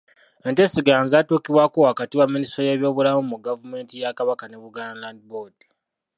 Enteeseganya zaatuukibwako wakati wa minisitule y’ebyobulambuzi mu gavumenti ya Kabaka ne Buganda Land Board.